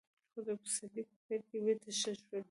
خو د پسرلي په پيل کې بېرته ښه شول.